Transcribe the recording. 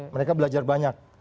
mereka belajar banyak